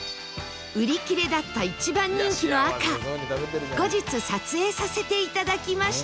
売り切れだった一番人気の赤後日撮影させていただきました